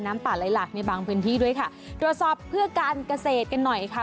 ป่าไหลหลักในบางพื้นที่ด้วยค่ะตรวจสอบเพื่อการเกษตรกันหน่อยค่ะ